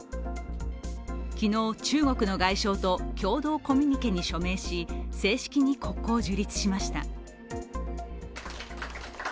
昨日、中国の外相と共同コミュニケに署名し正式に国交樹立しました。